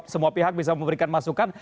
semua pihak bisa memberikan masukan